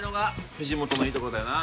藤本のいいところだよな